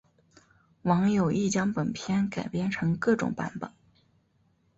网友亦将本片改编成各种版本。